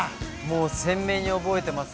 鮮明に覚えてます。